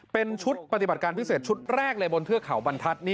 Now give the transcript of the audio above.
เป็นชุดปฏิบัติการพิเศษชุดแรกเลยบนเทือกเขาบรรทัศน์